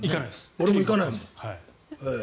俺も行かないもん。